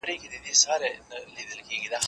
زه پرون مڼې وخوړلې